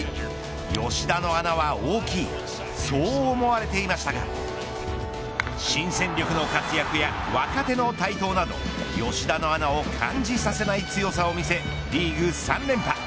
吉田の穴は大きいそう思われていましたが新戦力の活躍や若手の台頭など吉田の穴を感じさせない強さを見せリーグ３連覇。